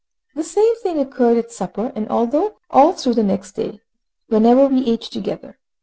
The same thing occurred at supper, and all through the next day, whenever we ate together.